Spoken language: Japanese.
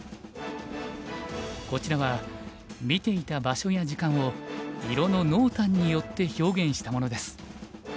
こちらは見ていた場所や時間を色の濃淡によって表現したものです。